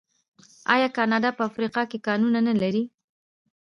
آیا کاناډا په افریقا کې کانونه نلري؟